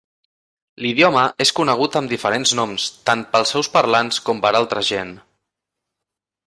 L'idioma és conegut amb diferents noms, tant pels seus parlants com per altra gent.